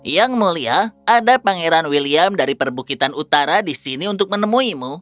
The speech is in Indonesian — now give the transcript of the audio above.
yang mulia ada pangeran william dari perbukitan utara di sini untuk menemuimu